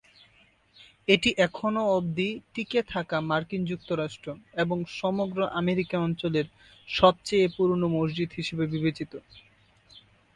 এটি এখনও অবধি টিকে থাকা মার্কিন যুক্তরাষ্ট্র এবং সমগ্র আমেরিকা অঞ্চলের সবচেয়ে পুরোনো মসজিদ হিসাবে বিবেচিত।